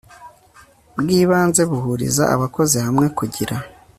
bw ibanze buhuriza abakozi hamwe kugira